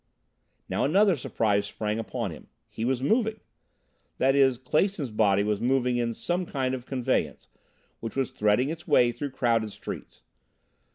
Now another surprise sprang upon him. He was moving! That is, Clason's body was moving in some kind of a conveyance, which was threading its way through crowded streets.